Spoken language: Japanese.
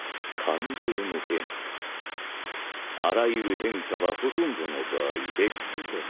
あらゆる変化はほとんどの場合劣化だ。